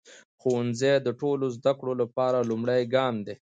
ښوونځی د ټولو زده کړو لپاره لومړی ګام دی.